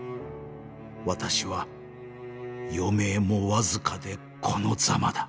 私は余命もわずかでこのザマだ